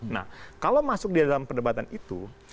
nah kalau masuk di dalam perdebatan itu